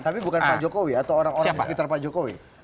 tapi bukan pak jokowi atau orang orang di sekitar pak jokowi